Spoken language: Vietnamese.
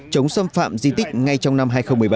chống xâm phạm di tích ngay trong năm hai nghìn một mươi bảy